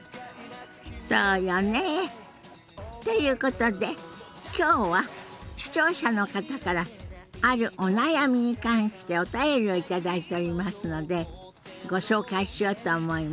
そうよね。ということで今日は視聴者の方からあるお悩みに関してお便りを頂いておりますのでご紹介しようと思います。